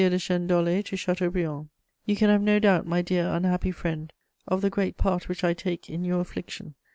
DE CHÊNEDOLLÉ TO CHATEAUBRIAND. "You can have no doubt, my dear', unhappy friend, of the great part which I take in your affliction.